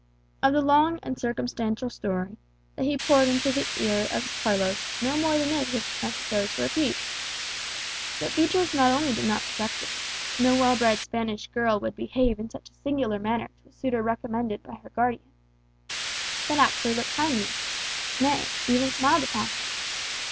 Of the long and circumstantial story that he poured into the sympathizing ear of Carlos no more than this is necessary to repeat that Beatriz not only did not reject him (no well bred Spanish girl would behave in such a singular manner to a suitor recommended by her guardian), but actually looked kindly, nay, even smiled upon him.